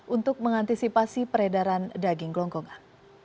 untuk mengantisipasi peredaran daging gelongkongan